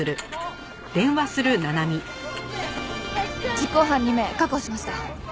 実行犯２名確保しました。